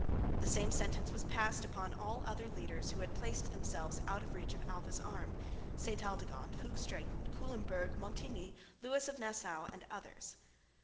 The same sentence was passed upon all the other leaders who had placed themselves out of reach of Alva's arm Sainte Aldegonde, Hoogstraeten, Culemburg, Montigny, Lewis of Nassau and others.